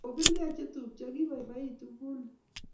Kobirgei chetupcho kibaibaitu buniik